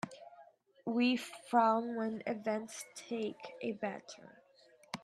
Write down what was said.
We frown when events take a bad turn.